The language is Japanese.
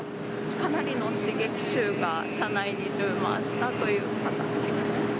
かなりの刺激臭が車内に充満したという形。